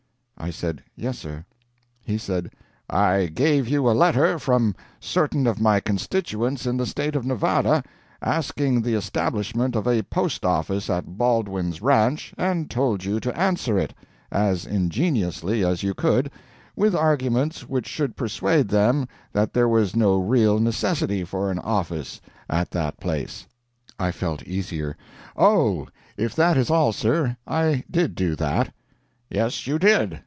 I said, "Yes, sir." He said, "I gave you a letter from certain of my constituents in the State of Nevada, asking the establishment of a post office at Baldwin's Ranch, and told you to answer it, as ingeniously as you could, with arguments which should persuade them that there was no real necessity for an office at that place." I felt easier. "Oh, if that is all, sir, I did do that." "Yes, you did.